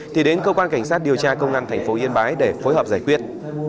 thì đến cơ quan cảnh sát điều tra công an thành phố yên bái để phối hợp giải quyết